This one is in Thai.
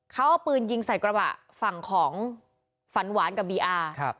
เขาเอาปืนยิงใส่กระบะฝั่งของฝันหวานกับบีอาร์